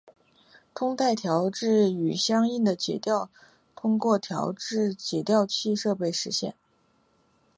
通带调制与相应的解调通过调制解调器设备实现。